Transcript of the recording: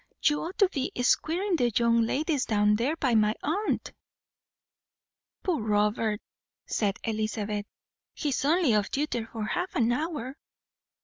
You ought to be squiring the young ladies down there by my aunt." "Poor Robert!" said Elizabeth. "He is only off duty for half an hour."